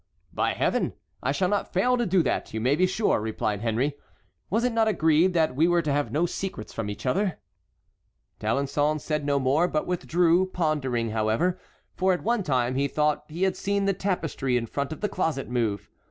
"By Heaven! I shall not fail to do that, you may be sure," replied Henry. "Was it not agreed that we were to have no secrets from each other?" D'Alençon said no more, but withdrew, pondering, however; for at one time he thought he had seen the tapestry in front of the closet move.